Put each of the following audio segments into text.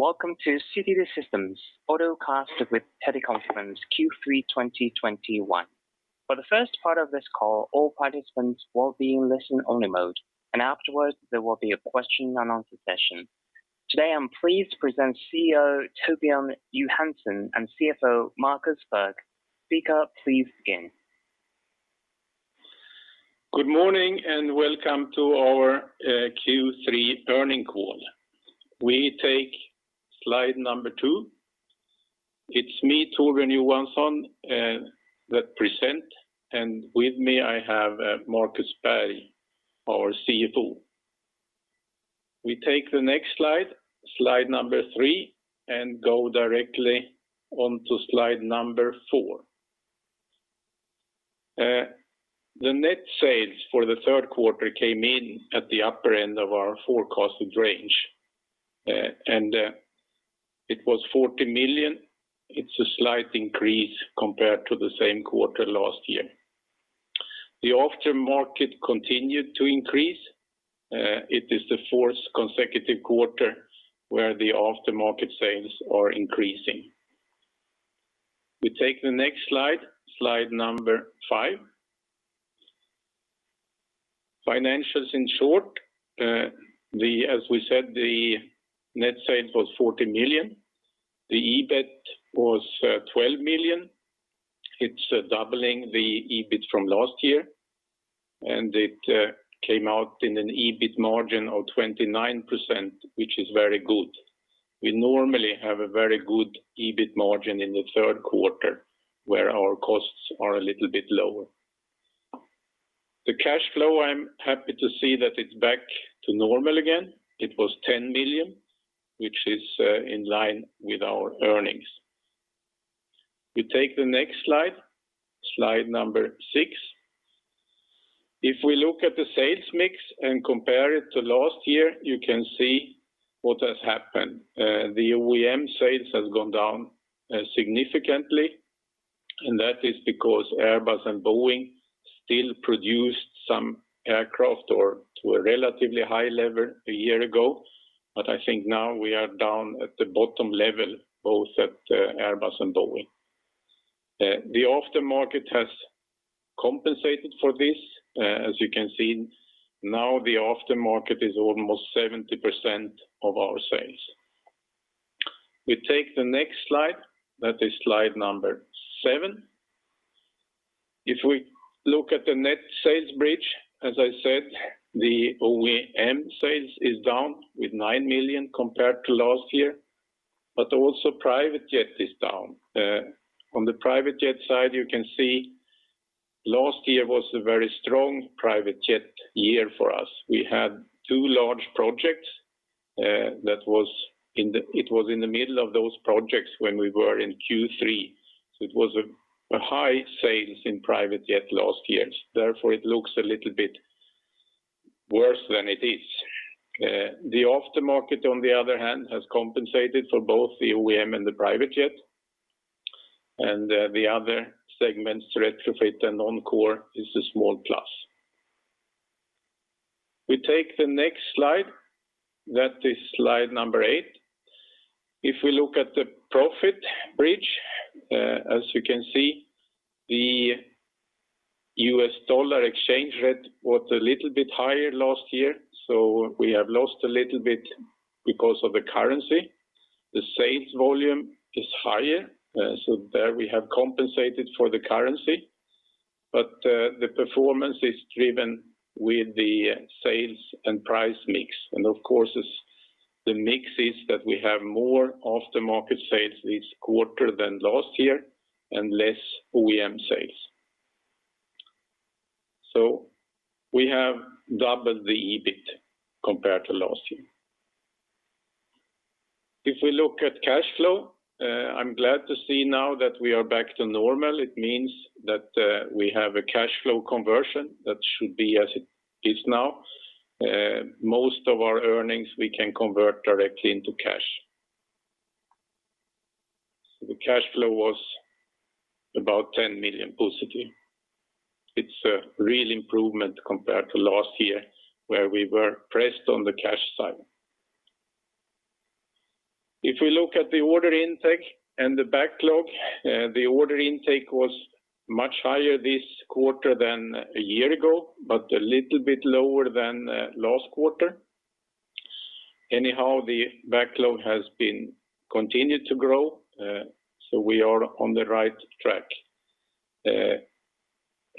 Welcome to CTT Systems webcast with teleconference Q3 2021. For the first part of this call, all participants will be in listen-only mode, and afterwards, there will be a question and answer session. Today, I'm pleased to present CEO Torbjörn Johansson and CFO Markus Berg. Speaker, please begin. Good morning and welcome to our Q3 earnings call. We take slide number 2. It's me, Torbjörn Johansson that's presenting, and with me I have Markus Berg, our CFO. We take the next slide number three, and go directly onto slide number four. The net sales for the Q3 came in at the upper end of our forecasted range. It was 40 million. It's a slight increase compared to the same quarter last year. The aftermarket continued to increase. It is the fourth consecutive quarter where the aftermarket sales are increasing. We take the next slide number 5. Financials in short. As we said, the net sales was 40 million. The EBIT was 12 million. It's doubling the EBIT from last year, and it came out in an EBIT margin of 29%, which is very good. We normally have a very good EBIT margin in the Q3 where our costs are a little bit lower. The cash flow, I'm happy to see that it's back to normal again. It was 10 million, which is in line with our earnings. We take the next slide number six. If we look at the sales mix and compare it to last year, you can see what has happened. The OEM sales has gone down significantly, and that is because Airbus and Boeing still produced some aircraft or to a relatively high level a year ago. I think now we are down at the bottom level, both at Airbus and Boeing. The aftermarket has compensated for this. As you can see now, the aftermarket is almost 70% of our sales. We take the next slide, that is slide number seven. If we look at the net sales bridge, as I said, the OEM sales is down with 9 million compared to last year, but also private jet is down. On the private jet side, you can see last year was a very strong private jet year for us. We had 2 large projects that was in the middle of those projects when we were in Q3. So it was a high sales in private jet last year. Therefore, it looks a little bit worse than it is. The aftermarket, on the other hand, has compensated for both the OEM and the private jet. The other segments, retrofit and Encore, is a small plus. We take the next slide. That is slide number eight. If we look at the profit bridge, as you can see, the U.S. dollar exchange rate was a little bit higher last year, so we have lost a little bit because of the currency. The sales volume is higher, so there we have compensated for the currency. The performance is driven with the sales and price mix. Of course, it's the mix is that we have more aftermarket sales this quarter than last year and less OEM sales. We have doubled the EBIT compared to last year. If we look at cash flow, I'm glad to see now that we are back to normal. It means that, we have a cash flow conversion that should be as it is now. Most of our earnings we can convert directly into cash. The cash flow was about 10 million positive. It's a real improvement compared to last year where we were pressed on the cash side. If we look at the order intake and the backlog, the order intake was much higher this quarter than a year ago, but a little bit lower than last quarter. Anyhow, the backlog has continued to grow, so we are on the right track.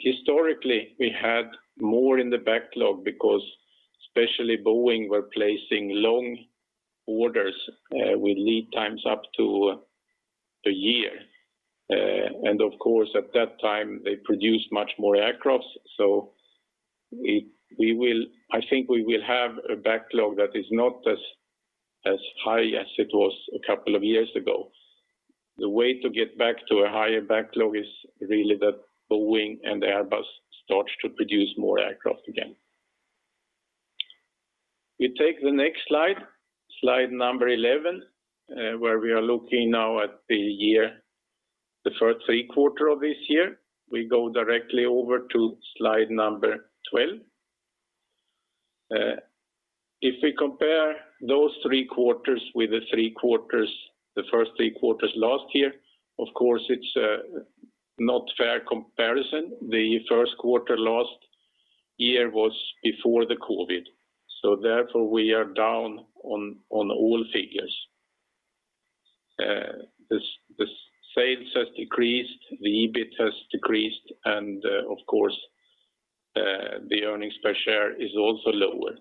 Historically, we had more in the backlog because especially Boeing were placing long orders with lead times up to a year. Of course, at that time, they produced much more aircraft. I think we will have a backlog that is not as high as it was a couple of years ago. The way to get back to a higher backlog is really that Boeing and Airbus starts to produce more aircraft again. We take the next slide number 11, where we are looking now at the year, the first three quarter of this year. We go directly over to slide number 12. If we compare those three quarters with the three quarters, the first three quarters last year, of course, it's not fair comparison. The Q1 last year was before the COVID. Therefore, we are down on all figures. The sales has decreased, the EBIT has decreased, and, of course, the earnings per share is also lower.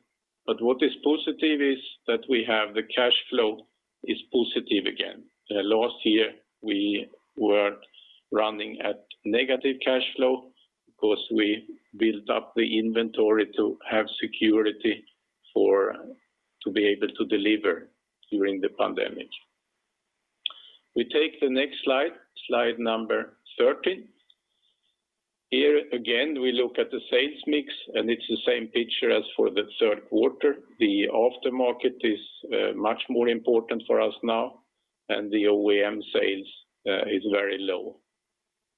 What is positive is that we have the cash flow is positive again. Last year, we were running at negative cash flow because we built up the inventory to have security to be able to deliver during the pandemic. We take the next slide number 13. Here again, we look at the sales mix, and it's the same picture as for the Q3. The aftermarket is much more important for us now, and the OEM sales is very low.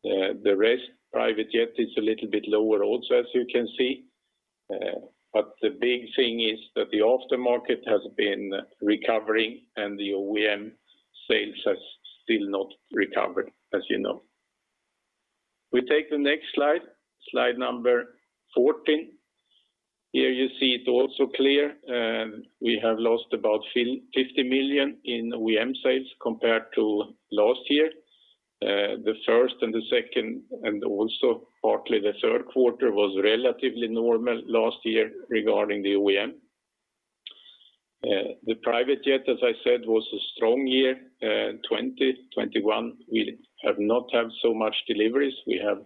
The rest, private jet, is a little bit lower also, as you can see. The big thing is that the aftermarket has been recovering and the OEM sales has still not recovered, as you know. We take the next slide number 14. Here you see it also clearly, we have lost about 50 million in OEM sales compared to last year. The first and the second, and also partly the Q3 was relatively normal last year regarding the OEM. The private jet, as I said, was a strong year. 2021, we have not so much deliveries. We have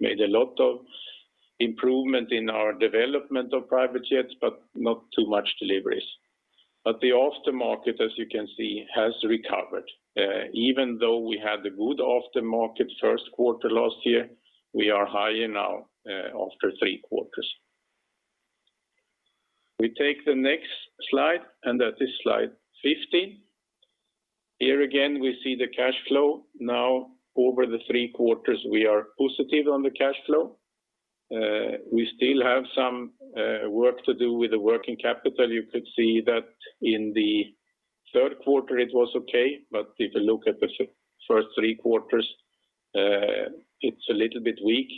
made a lot of improvement in our development of private jets, but not too much deliveries. The aftermarket, as you can see, has recovered. Even though we had a good aftermarket Q1 last year, we are higher now, after three quarters. We take the next slide, and that is slide 15. Here again, we see the cash flow. Now, over the three quarters, we are positive on the cash flow. We still have some work to do with the working capital. You could see that in the Q3 it was okay. If you look at the first three quarters, it's a little bit weak.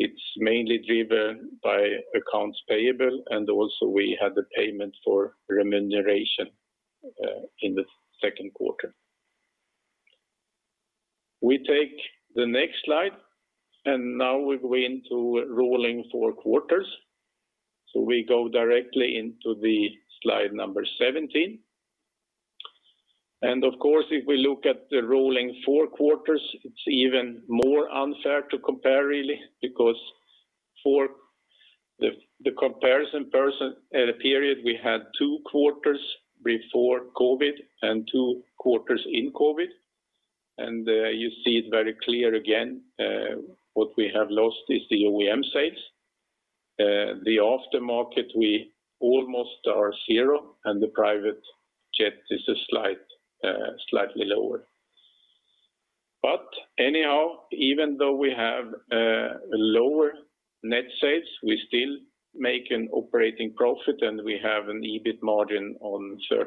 It's mainly driven by accounts payable, and also we had the payment for remuneration in the Q2. We take the next slide, and now we went to rolling four quarters. We go directly into the slide number 17. Of course, if we look at the rolling four quarters, it's even more unfair to compare really, because for the comparison period, we had two quarters before COVID and two quarters in COVID. You see it very clear again, what we have lost is the OEM sales. The aftermarket, we almost are zero, and the private jet is slightly lower. Even though we have lower net sales, we still make an operating profit, and we have an EBIT margin on 13%.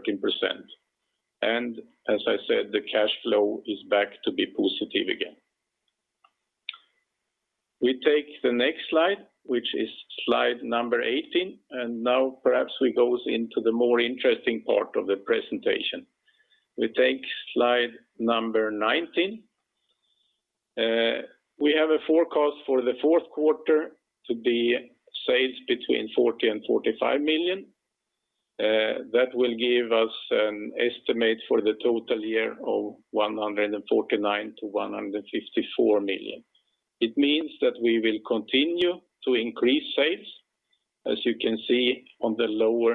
As I said, the cash flow is back to be positive again. We take the next slide, which is slide number 18, and now perhaps we goes into the more interesting part of the presentation. We take slide number 19. We have a forecast for the Q4 to be sales between 40 million and 45 million. That will give us an estimate for the total year of 149 million-154 million. It means that we will continue to increase sales. As you can see on the lower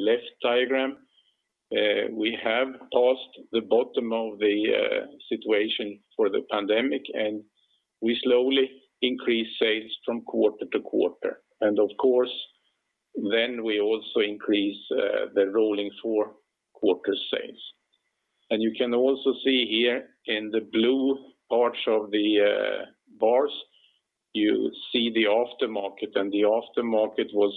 left diagram, we have passed the bottom of the situation for the pandemic, and we slowly increase sales from quarter to quarter. Of course, then we also increase the rolling four-quarter sales. You can also see here in the blue parts of the bars, you see the aftermarket. The aftermarket was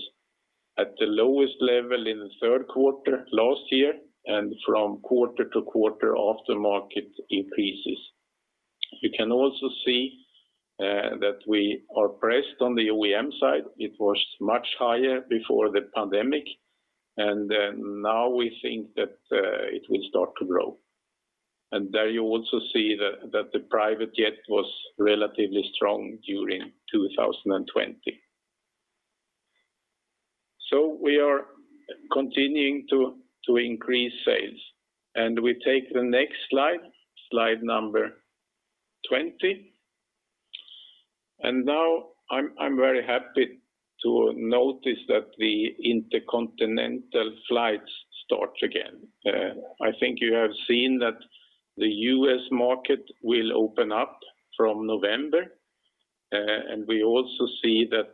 at the lowest level in the Q3 last year, and from quarter to quarter, aftermarket increases. You can also see that we are pressed on the OEM side. It was much higher before the pandemic. Then now we think that it will start to grow. There you also see that the private jet was relatively strong during 2020. We are continuing to increase sales. We take the next slide number 20. Now I'm very happy to notice that the intercontinental flights start again. I think you have seen that the U.S. market will open up from November. We also see that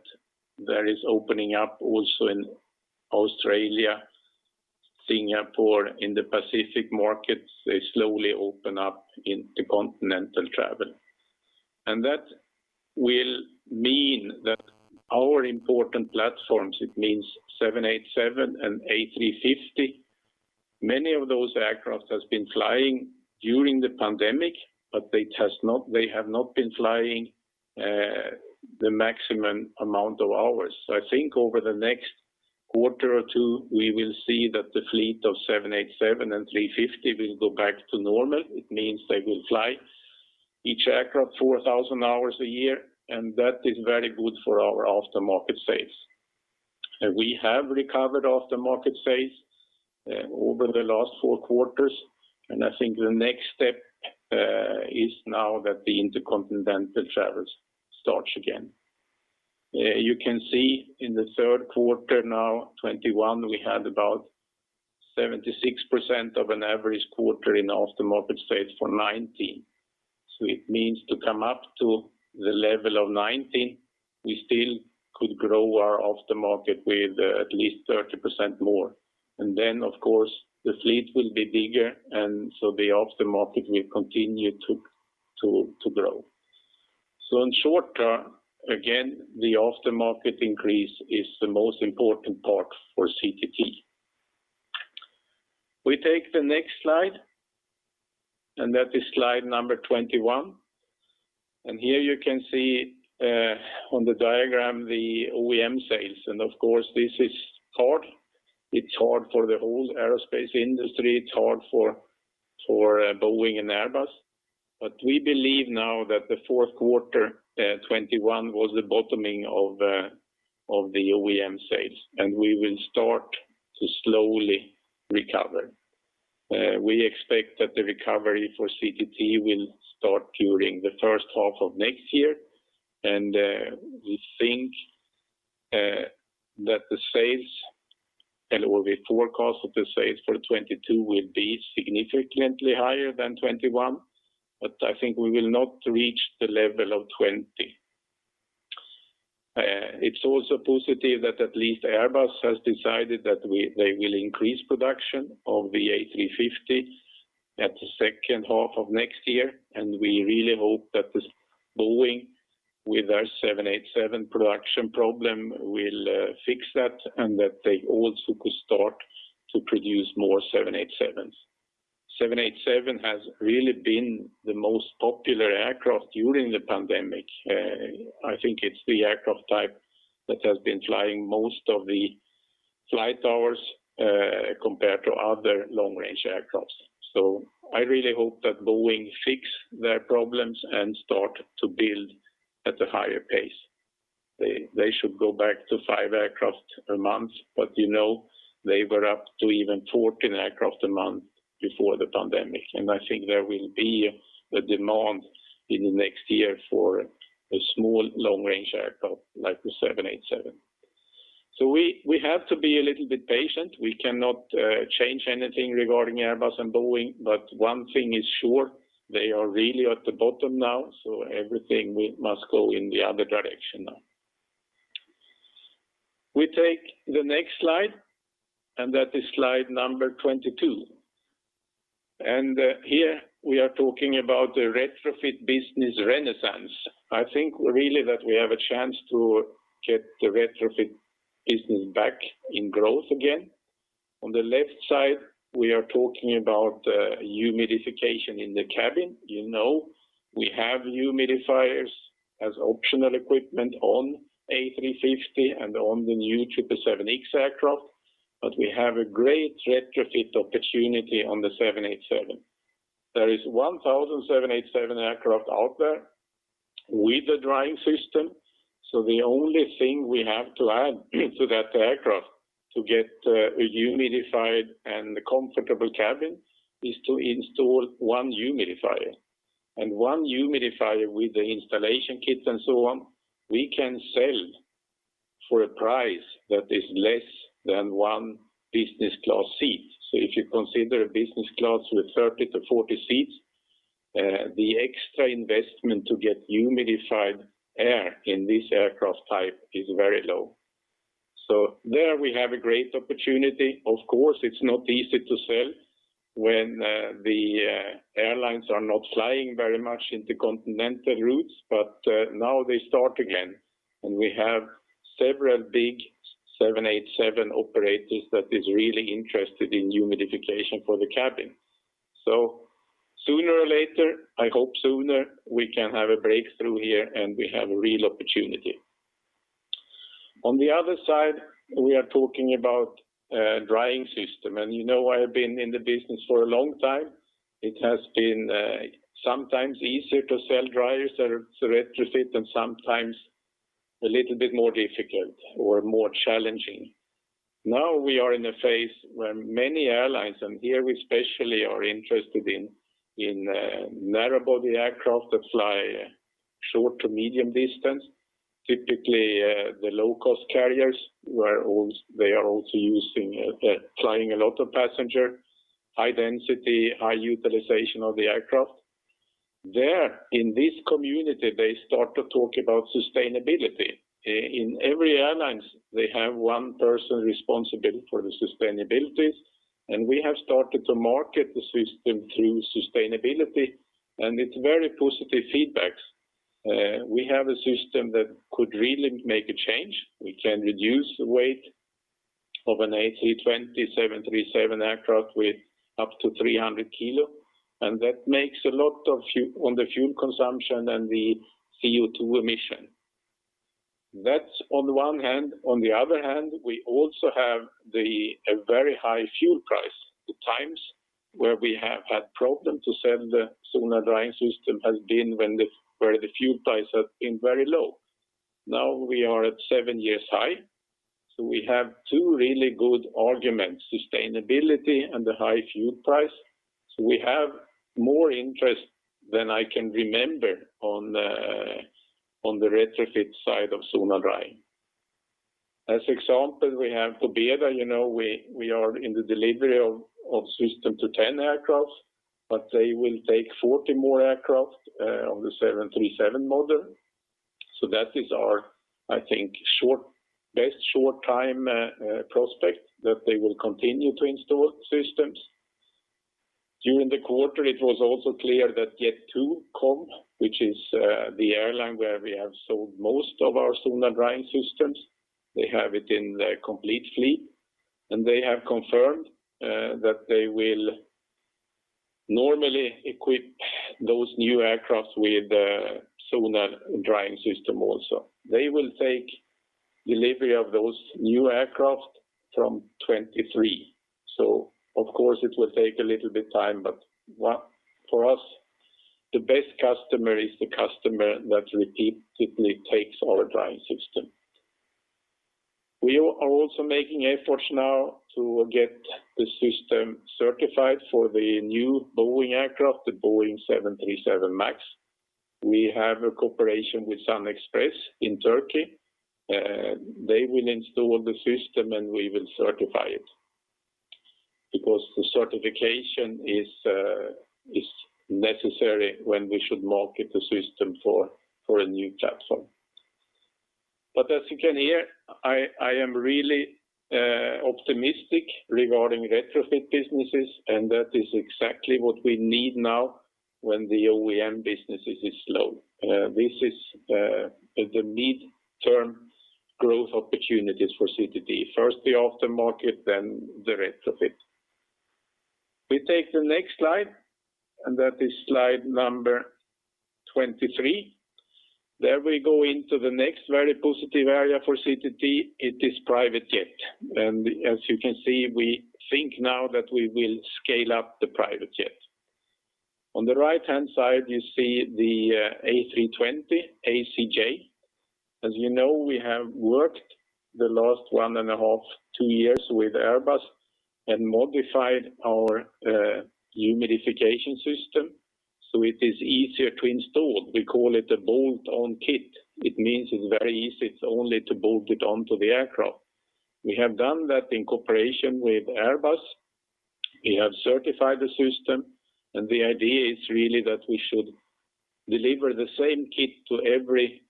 there is opening up also in Australia, Singapore, in the Pacific markets. They slowly open up intercontinental travel. That will mean that our important platforms, it means 787 and A350, many of those aircraft has been flying during the pandemic, but they have not been flying the maximum amount of hours. I think over the next quarter or two, we will see that the fleet of 787 and A350 will go back to normal. It means they will fly each aircraft 4,000 hours a year, and that is very good for our aftermarket sales. We have recovered aftermarket sales over the last four quarters, and I think the next step is now that the intercontinental travels starts again. You can see in the Q3, 2021, we had about 76% of an average quarter in aftermarket sales for 2019. It means to come up to the level of 2019, we still could grow our aftermarket with at least 30% more. Then, of course, the fleet will be bigger, and so the aftermarket will continue to grow. In short term, again, the aftermarket increase is the most important part for CTT. We take the next slide, and that is slide number 21. Here you can see on the diagram, the OEM sales. Of course, this is hard. It's hard for the whole aerospace industry. It's hard for Boeing and Airbus. We believe now that the Q4 2021 was the bottoming of the OEM sales, and we will start to slowly recover. We expect that the recovery for CTT will start during the H1 of next year. We think that the sales forecast for 2022 will be significantly higher than 2021, but I think we will not reach the level of 2020. It's also positive that at least Airbus has decided that they will increase production of the A350 at the H2 of next year. We really hope that this Boeing with our 787 production problem will fix that and that they also could start to produce more 787s. 787 has really been the most popular aircraft during the pandemic. I think it's the aircraft type that has been flying most of the flight hours, compared to other long-range aircraft. I really hope that Boeing fix their problems and start to build at a higher pace. They should go back to 5 aircraft a month, but, you know, they were up to even 14 aircraft a month before the pandemic. I think there will be a demand in the next year for a small long-range aircraft like the 787. We have to be a little bit patient. We cannot change anything regarding Airbus and Boeing, but one thing is sure, they are really at the bottom now, so everything must go in the other direction now. We take the next slide, and that is slide number 22. Here we are talking about the retrofit business renaissance. I think really that we have a chance to get the retrofit business back in growth again. On the left side, we are talking about humidification in the cabin. You know, we have humidifiers as optional equipment on A350 and on the new 777X aircraft, but we have a great retrofit opportunity on the 787. There is 1,000 787 aircraft out there with the drying system. The only thing we have to add to that aircraft to get a humidified and comfortable cabin is to install one humidifier. One humidifier with the installation kit and so on, we can sell for a price that is less than one business class seat. If you consider a business class with 30 seats-40 seats, the extra investment to get humidified air in this aircraft type is very low. There we have a great opportunity. Of course, it's not easy to sell when the airlines are not flying very much intercontinental routes, but now they start again. We have several big 787 operators that is really interested in humidification for the cabin. Sooner or later, I hope sooner, we can have a breakthrough here, and we have a real opportunity. On the other side, we are talking about a drying system. You know, I have been in the business for a long time. It has been sometimes easier to sell dryers that are retrofit and sometimes a little bit more difficult or more challenging. Now we are in a phase where many airlines, and here we especially are interested in narrow-body aircraft that fly short to medium distance. Typically, the low-cost carriers where they are also flying a lot of passengers, high density, high utilization of the aircraft. In this community, they start to talk about sustainability. In every airline, they have one person responsible for sustainability, and we have started to market the system through sustainability, and it's very positive feedback. We have a system that could really make a change. We can reduce the weight of an A320 or 737 aircraft by up to 300 kg. That makes a lot of impact on the fuel consumption and the CO₂ emission. That's on one hand. On the other hand, we also have a very high fuel price. The times where we have had problems to sell the Zonal Drying system has been when the fuel price has been very low. Now we are at seven years high, so we have two really good arguments, sustainability and the high fuel price. We have more interest than I can remember on the retrofit side of Zonal Drying. For example, we have TUI, you know, we are in the delivery of system to ten aircraft, but they will take 40 more aircraft on the 737 model. That is our, I think, best short time prospect that they will continue to install systems. During the quarter, it was also clear that Jet2.com, which is the airline where we have sold most of our Zonal Drying systems, they have it in their complete fleet, and they have confirmed that they will normally equip those new aircraft with Zonal Drying system also. They will take delivery of those new aircraft from 2023. Of course, it will take a little bit time, but for us, the best customer is the customer that repeatedly takes our drying system. We are also making efforts now to get the system certified for the new Boeing aircraft, the Boeing 737 MAX. We have a cooperation with SunExpress in Turkey. They will install the system, and we will certify it because the certification is necessary when we should market the system for a new platform. As you can hear, I am really optimistic regarding retrofit businesses, and that is exactly what we need now when the OEM businesses is slow. This is the midterm growth opportunities for CTT. First the aftermarket, then the retrofit. We take the next slide, and that is slide number 23. There we go into the next very positive area for CTT. It is private jet. As you can see, we think now that we will scale up the private jet. On the right-hand side, you see the A320 ACJ. As you know, we have worked the last 1.5 years-2 years with Airbus and modified our humidification system, so it is easier to install. We call it a bolt-on kit. It means it's very easy. It's only to bolt it onto the aircraft. We have done that in cooperation with Airbus. We have certified the system, and the idea is really that we should deliver the same kit to every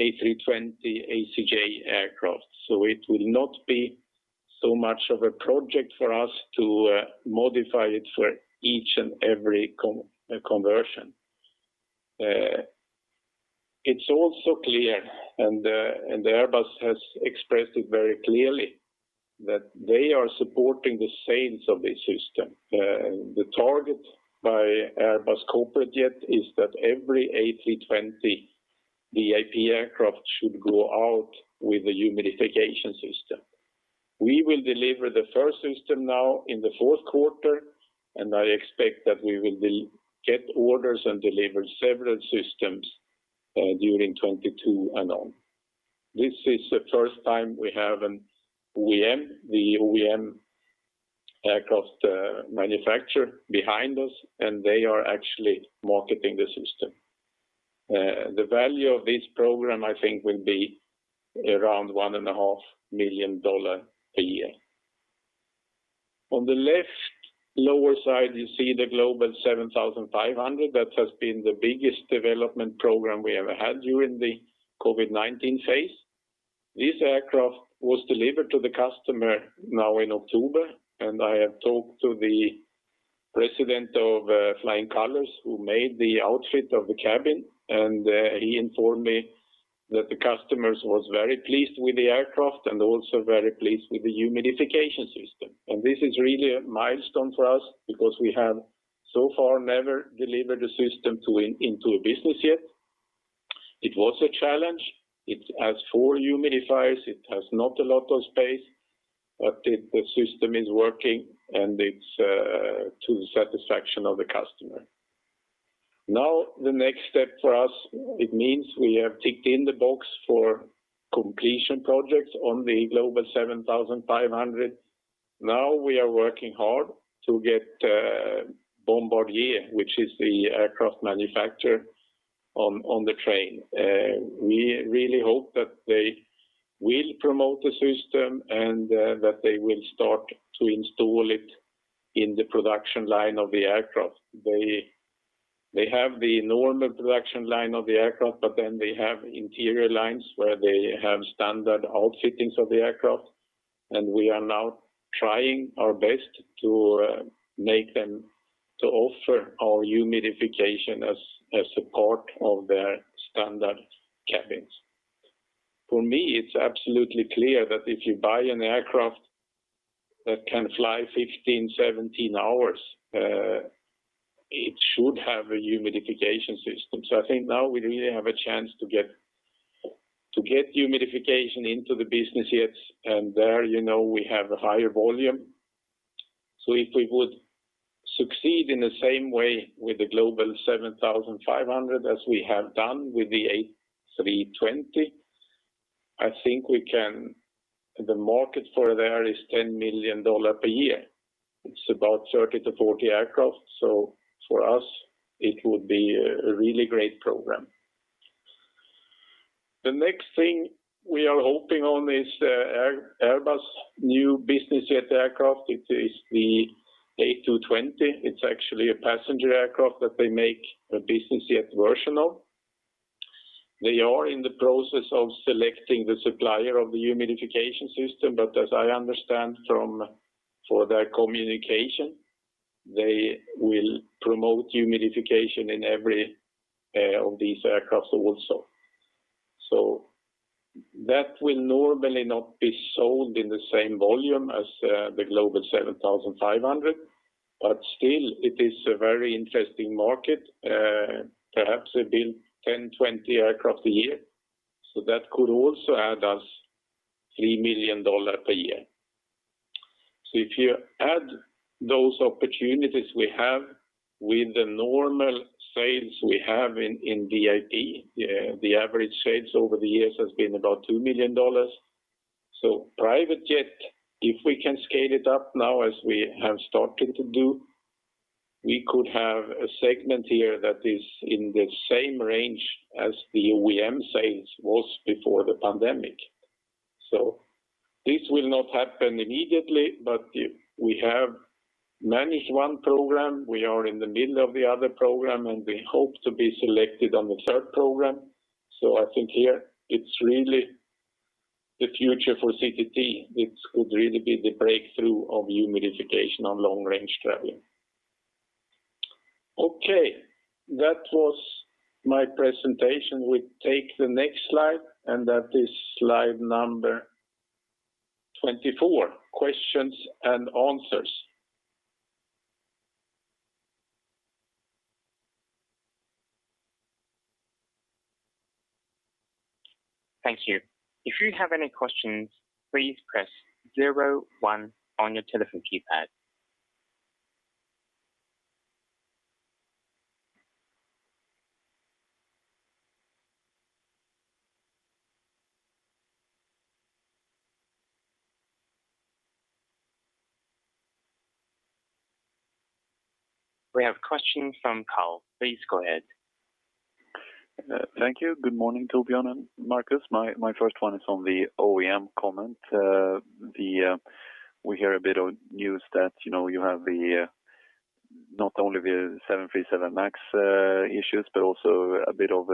A320 ACJ aircraft. It will not be so much of a project for us to modify it for each and every conversion. It's also clear, Airbus has expressed it very clearly, that they are supporting the sales of this system. The target by Airbus Corporate Jets is that every A320 VIP aircraft should go out with a humidification system. We will deliver the first system now in the Q4, and I expect that we will get orders and deliver several systems during 2022 and on. This is the first time we have an OEM aircraft manufacturer behind us, and they are actually marketing the system. The value of this program, I think, will be around $1.5 million a year. On the left lower side, you see the Global 7500. That has been the biggest development program we ever had during the COVID-19 phase. This aircraft was delivered to the customer now in October, and I have talked to the president of Flying Colours who made the outfit of the cabin, and he informed me that the customers was very pleased with the aircraft and also very pleased with the humidification system. This is really a milestone for us because we have so far never delivered a system into a business jet. It was a challenge. It has 4 humidifiers. It has not a lot of space, but the system is working, and it's to the satisfaction of the customer. Now the next step for us, it means we have ticked the box for completion projects on the Global 7500. Now we are working hard to get Bombardier, which is the aircraft manufacturer on the train. We really hope that they will promote the system and that they will start to install it in the production line of the aircraft. They have the normal production line of the aircraft, but then they have interior lines where they have standard outfittings of the aircraft. We are now trying our best to make them offer our humidification as support of their standard cabins. For me, it's absolutely clear that if you buy an aircraft that can fly 15 hours, 17 hours, it should have a humidification system. I think now we really have a chance to get humidification into the business jets, and there, you know, we have a higher volume. If we would succeed in the same way with the Global 7500 as we have done with the A320, I think we can the market for there is $10 million per year. It's about 30 aircraft-40 aircraft. For us, it would be a really great program. The next thing we are hoping on is Airbus new business jet aircraft. It is the A220. It's actually a passenger aircraft that they make a business jet version of. They are in the process of selecting the supplier of the humidification system, but as I understand from for their communication, they will promote humidification in every of these aircraft also. That will normally not be sold in the same volume as the Global 7500. Still, it is a very interesting market, perhaps they build 10 aircraft, 20 aircraft a year. That could also add us $3 million per year. If you add those opportunities we have with the normal sales we have in VIP, the average sales over the years has been about $2 million. Private jet, if we can scale it up now as we have started to do, we could have a segment here that is in the same range as the OEM sales was before the pandemic. This will not happen immediately, but if we have managed one program, we are in the middle of the other program, and we hope to be selected on the third program. I think here it's really the future for CTT. It could really be the breakthrough of humidification on long-range traveling. Okay, that was my presentation. We take the next slide, and that is slide number 24, questions and answers. Thank you. If you have any questions, please press zero one on your telephone keypad. We have a question from Carl. Please go ahead. Thank you. Good morning, Torbjörn and Marcus. My first one is on the OEM comment. We hear a bit of news that, you know, you have not only the 737 MAX issues, but also a bit of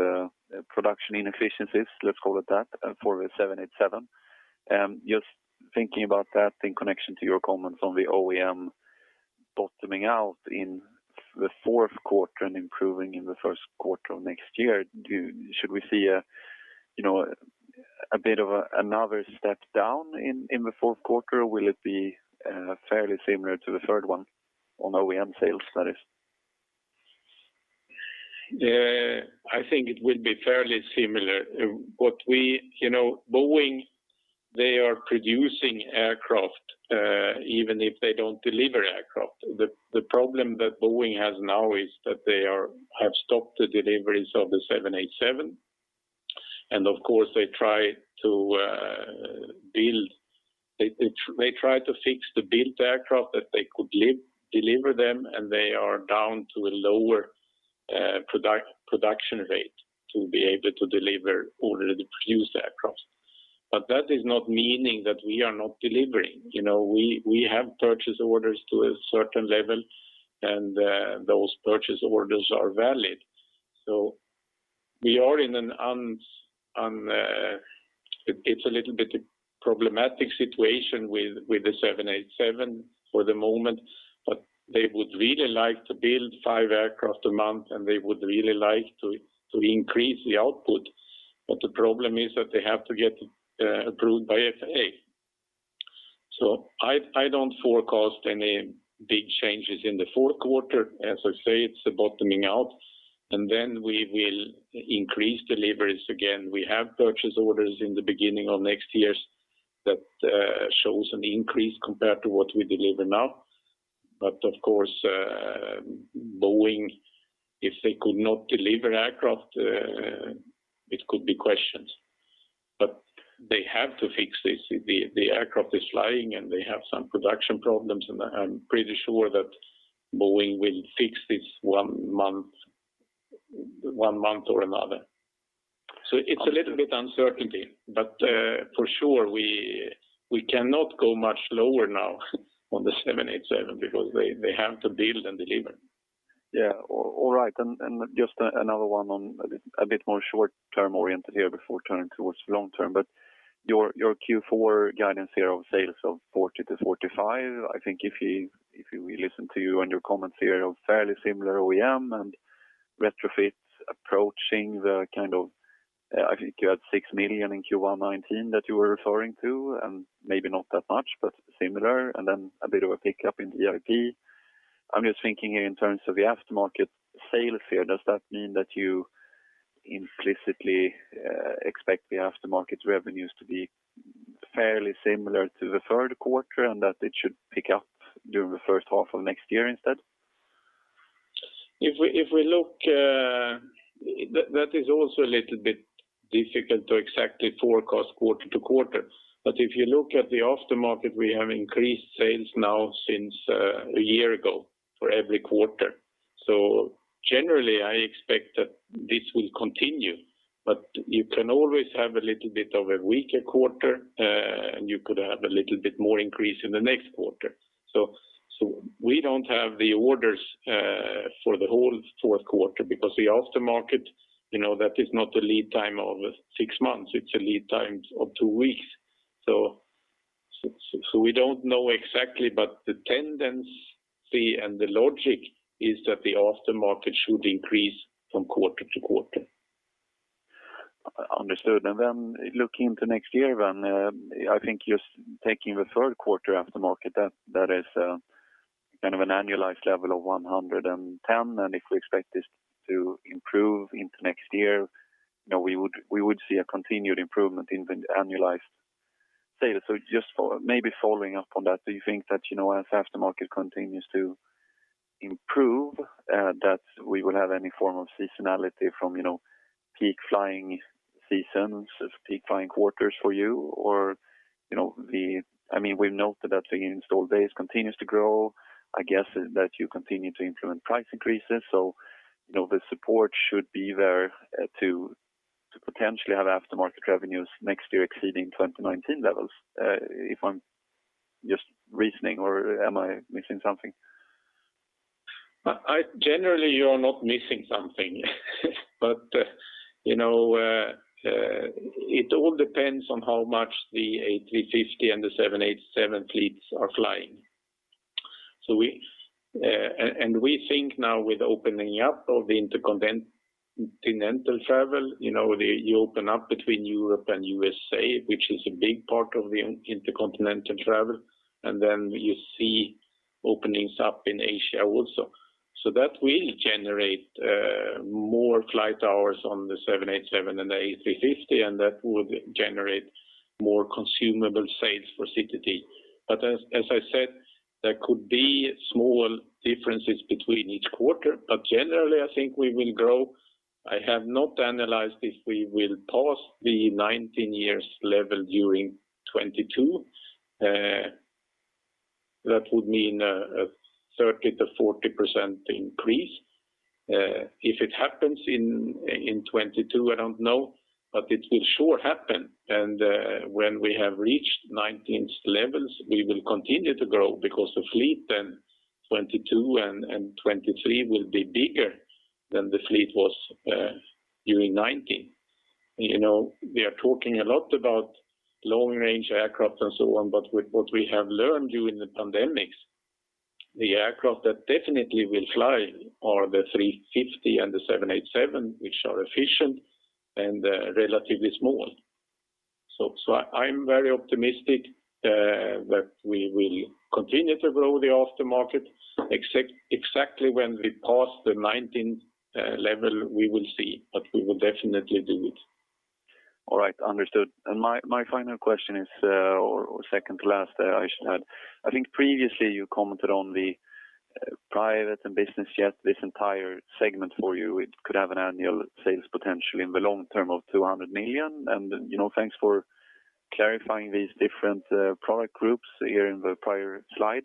production inefficiencies, let's call it that, for the 787. Just thinking about that in connection to your comments on the OEM bottoming out in the Q4 and improving in the Q1 of next year, should we see, you know, a bit of another step down in the Q4? Will it be fairly similar to the third one on OEM sales, that is? I think it will be fairly similar. You know, Boeing, they are producing aircraft, even if they don't deliver aircraft. The problem that Boeing has now is that they have stopped the deliveries of the 787. Of course, they try to fix the built aircraft that they could deliver them, and they are down to a lower production rate to be able to deliver already produced aircraft. But that is not meaning that we are not delivering. You know, we have purchase orders to a certain level, and those purchase orders are valid. We are in an, it's a little bit problematic situation with the 787 for the moment, but they would really like to build five aircraft a month, and they would really like to increase the output. The problem is that they have to get approved by FAA. I don't forecast any big changes in the Q4. As I say, it's a bottoming out, and then we will increase deliveries again. We have purchase orders in the beginning of next years that shows an increase compared to what we deliver now. But of course, Boeing, if they could not deliver aircraft, it could be questioned. They have to fix this. The aircraft is flying and they have some production problems, and I'm pretty sure that Boeing will fix this one month or another. It's a little bit uncertainty, but for sure we cannot go much lower now on the 787 because they have to build and deliver. Yeah. All right. Just another one on a bit more short term oriented here before turning toward long term. Your Q4 guidance here of sales of 40 million-45 million, I think if we listen to you and your comments here on fairly similar OEM and retrofits approaching the kind of, I think you had 6 million in Q1 2019 that you were referring to, and maybe not that much, but similar, and then a bit of a pickup in VIP. I'm just thinking here in terms of the aftermarket sales here, does that mean that you implicitly expect the aftermarket revenues to be fairly similar to the Q3 and that it should pick up during the H1 of next year instead? If we look, that is also a little bit difficult to exactly forecast quarter to quarter. If you look at the aftermarket, we have increased sales now since a year ago for every quarter. Generally, I expect that this will continue, but you can always have a little bit of a weaker quarter, and you could have a little bit more increase in the next quarter. We don't have the orders for the whole Q4 because the aftermarket, you know, that is not a lead time of six months, it's a lead time of two weeks. We don't know exactly, but the tendency and the logic is that the aftermarket should increase from quarter to quarter. Understood. Then looking into next year, I think just taking the Q3 aftermarket, that is kind of an annualized level of 110. If we expect this to improve into next year, you know, we would see a continued improvement in the annualized sales. Just maybe following up on that, do you think that, you know, as aftermarket continues to improve, that we will have any form of seasonality from, you know, peak flying seasons or peak flying quarters for you? Or, you know, I mean, we've noted that the installed base continues to grow. I guess that you continue to implement price increases. You know, the support should be there to potentially have aftermarket revenues next year exceeding 2019 levels, if I'm just reasoning, or am I missing something? Generally, you're not missing something. You know, it all depends on how much the A350 and the 787 fleets are flying. We think now with opening up of the intercontinental travel, you know, you open up between Europe and USA, which is a big part of the intercontinental travel, and then you see openings up in Asia also. That will generate more flight hours on the 787 and the A350, and that will generate more consumable sales for CTT. As I said, there could be small differences between each quarter. Generally, I think we will grow. I have not analyzed if we will pass the 2019 years level during 2022. That would mean a 30%-40% increase. If it happens in 2022, I don't know, but it will sure happen. When we have reached 2019's levels, we will continue to grow because the fleet then 2022 and 2023 will be bigger than the fleet was during 2019. You know, we are talking a lot about long range aircraft and so on, but with what we have learned during the pandemic, the aircraft that definitely will fly are the 350 and the 787, which are efficient and relatively small. I'm very optimistic that we will continue to grow the aftermarket. Exactly when we pass the 2019 level, we will see, but we will definitely do it. All right. Understood. My final question is, or second to last, I should add. I think previously you commented on the private and business jet, this entire segment for you, it could have an annual sales potential in the long term of $200 million. You know, thanks for clarifying these different product groups here in the prior slide.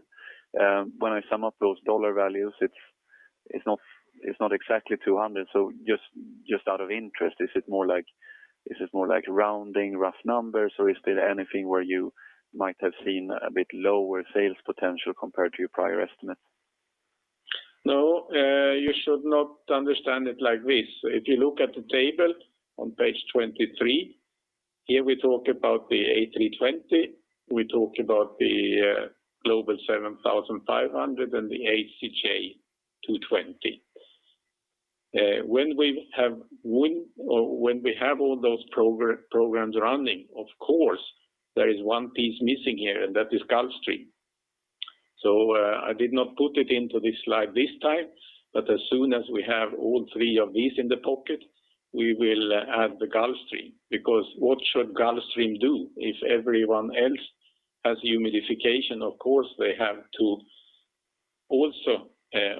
When I sum up those dollar values, it's not exactly 200. So just out of interest, is it more like rounding rough numbers, or is there anything where you might have seen a bit lower sales potential compared to your prior estimates? No, you should not understand it like this. If you look at the table on page 23, here we talk about the A320, we talk about the Global 7500 and the ACJ TwoTwenty. When we have all those programs running, of course there is one piece missing here, and that is Gulfstream. I did not put it into this slide this time, but as soon as we have all three of these in the pocket, we will add the Gulfstream. Because what should Gulfstream do if everyone else has humidification? Of course, they have to also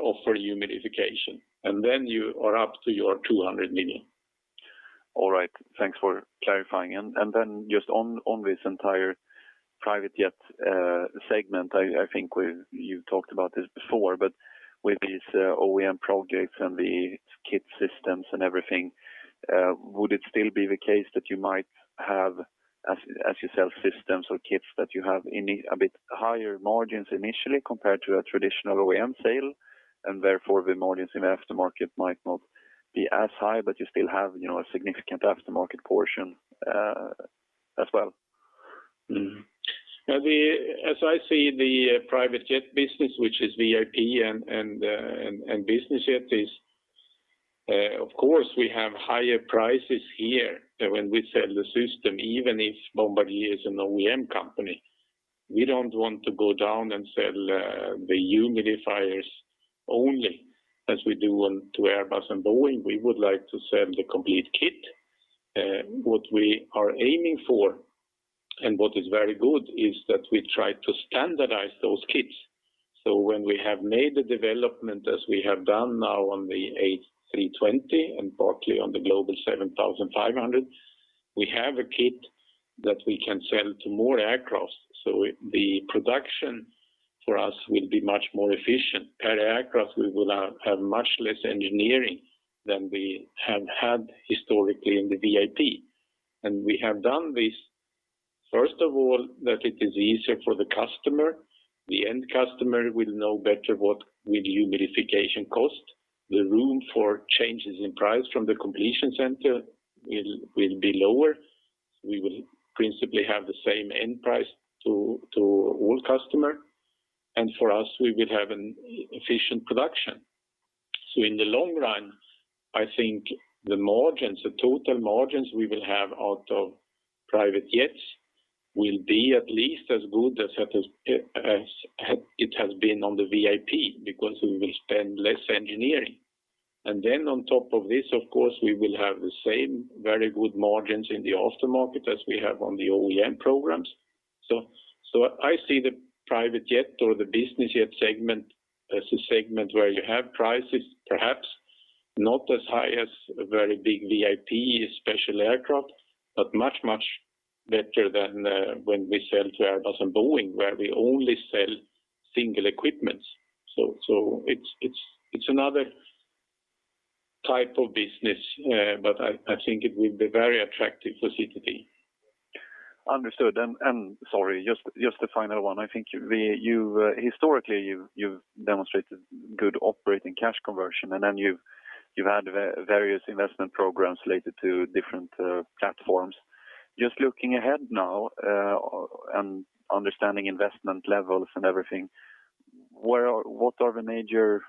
offer humidification, and then you are up to your 200 million. All right, thanks for clarifying. Just on this entire private jet segment, I think you talked about this before, but with these OEM projects and the kit systems and everything, would it still be the case that you might have, as you sell systems or kits that you have in a bit higher margins initially compared to a traditional OEM sale, and therefore the margins in aftermarket might not be as high, but you still have, you know, a significant aftermarket portion, as well? Now, as I see the private jet business, which is VIP and business jet, of course, we have higher prices here when we sell the system, even if Bombardier is an OEM company. We don't want to go down and sell the humidifiers only as we do to Airbus and Boeing. We would like to sell the complete kit. What we are aiming for, and what is very good is that we try to standardize those kits. When we have made the development as we have done now on the A320 and partly on the Global 7500, we have a kit that we can sell to more aircraft. The production for us will be much more efficient. Per aircraft, we will have much less engineering than we have had historically in the VIP. We have done this, first of all, that it is easier for the customer. The end customer will know better what will humidification cost. The room for changes in price from the completion center will be lower. We will principally have the same end price to all customer. For us, we will have an efficient production. In the long run, I think the margins, the total margins we will have out of private jets will be at least as good as it has been on the VIP because we will spend less engineering. On top of this, of course, we will have the same very good margins in the aftermarket as we have on the OEM programs. I see the private jet or the business jet segment as a segment where you have prices, perhaps not as high as a very big VIP special aircraft, but much, much better than when we sell to Airbus and Boeing, where we only sell single equipments. It's another type of business, but I think it will be very attractive for CTT. Understood. Sorry, just the final one. I think you, historically, you've demonstrated good operating cash conversion, and then you've had various investment programs related to different platforms. Just looking ahead now, and understanding investment levels and everything, what are the major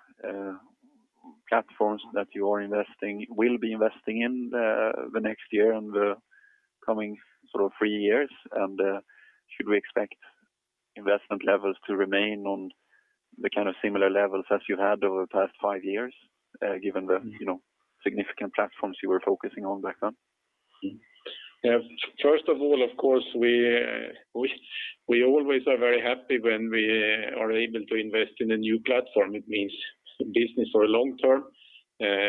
platforms that you will be investing in the next year and the coming sort of three years? Should we expect investment levels to remain on the kind of similar levels as you had over the past five years, given the, you know, significant platforms you were focusing on back then? Yeah. First of all, of course, we always are very happy when we are able to invest in a new platform. It means business for long term.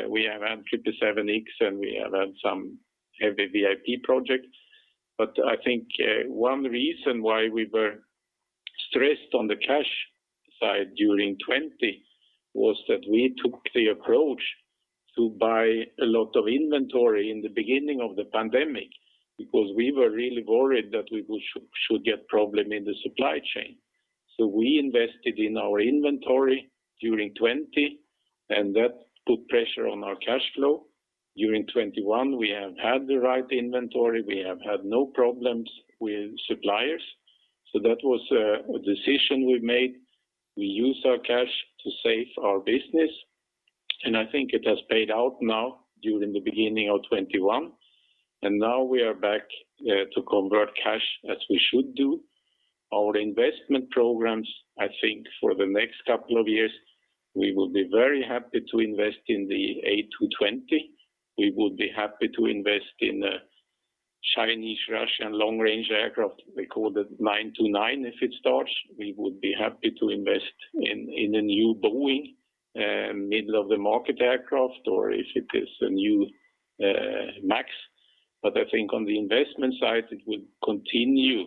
We have had 777X, and we have had some heavy VIP projects. I think one reason why we were stressed on the cash side during 2020 was that we took the approach to buy a lot of inventory in the beginning of the pandemic because we were really worried that we would get problems in the supply chain. We invested in our inventory during 2020, and that put pressure on our cash flow. During 2021, we have had the right inventory. We have had no problems with suppliers. That was a decision we made. We used our cash to save our business, and I think it has paid out now during the beginning of 2021. Now we are back to convert cash as we should do. Our investment programs, I think for the next couple of years, we will be very happy to invest in the A220. We would be happy to invest in the Chinese, Russian long-range aircraft. They call it CR929, if it starts. We would be happy to invest in a new Boeing middle of the market aircraft, or if it is a new MAX. I think on the investment side, it will continue.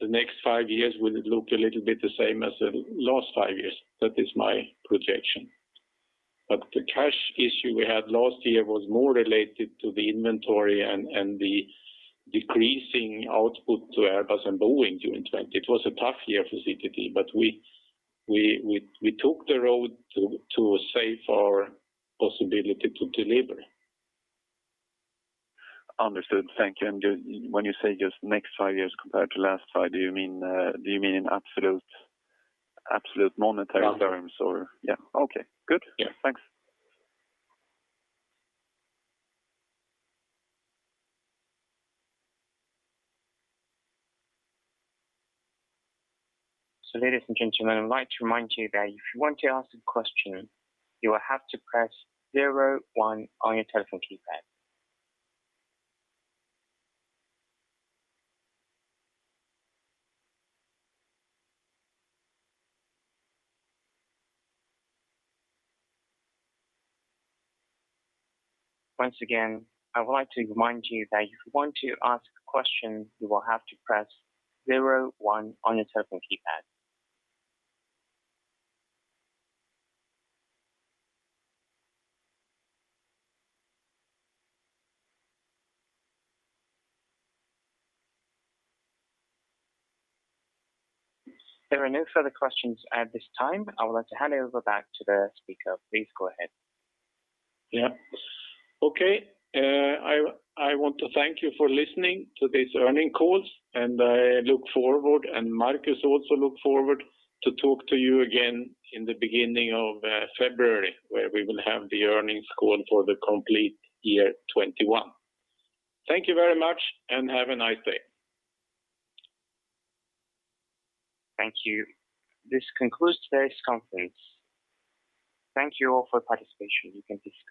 The next five years will look a little bit the same as the last five years. That is my projection. The cash issue we had last year was more related to the inventory and the decreasing output to Airbus and Boeing during 2020. It was a tough year for CTT, but we took the road to save our possibility to deliver. Understood. Thank you. When you say just next five years compared to last five, do you mean in absolute monetary terms or? Yeah. Yeah. Okay, good. Yeah. Thanks. So ladies and gentlemen, I'd like to remind you that if you want to ask a question, you will have to press zero-one on your telephone keypad. Once again, I would like to remind you that if you want to ask a question, you will have to press zero-one on your telephone keypad. There are no further questions at this time. I would like to hand over back to the speaker. Please go ahead. I want to thank you for listening to this earnings call, and I look forward, and Markus also look forward to talk to you again in the beginning of February, where we will have the earnings call for the complete year 2021. Thank you very much, and have a nice day. Thank you. This concludes today's conference. Thank you all for participation. You can [dismiss.]